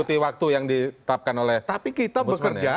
itu waktu yang ditetapkan oleh ombudsman ya